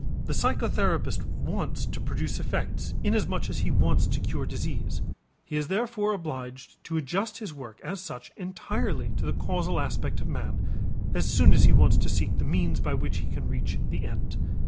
The psychotherapist wants to produce effects inasmuch as he wants to cure disease. He is therefore obliged to adjust his work as such entirely to the causal aspect of man, as soon as he wants to seek the means by which he can reach the end.